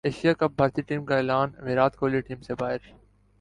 Asia cup بھارتی team کا اعلان ویرات کوہلی ٹیم سے باہر